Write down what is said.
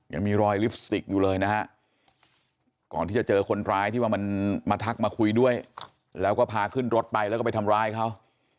ยังมีรอยลิปสติกอยู่เลยนะฮะก่อนที่จะเจอคนร้ายที่ว่ามันมาทักมาคุยด้วยแล้วก็พาขึ้นรถไปแล้วก็ไปทำร้ายเขา